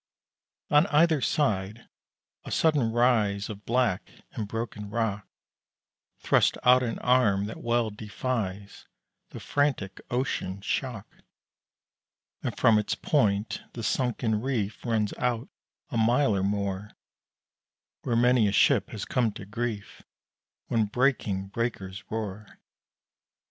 On either side a sudden rise Of black and broken rock Thrusts out an arm that well defies The frantic ocean's shock; And from its point the sunken reef Runs out a mile or more, Where many a ship has come to grief When breaking breakers roar.